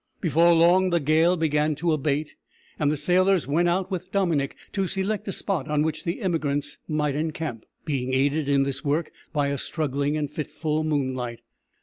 Before long the gale began to abate, and the sailors went out with Dominick, to select a spot on which the emigrants might encamp, being aided in this work by a struggling and fitful moonlight.